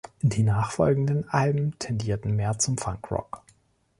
Die nachfolgenden Alben tendierten mehr zum Funk-Rock.